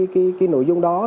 khi nội dung đó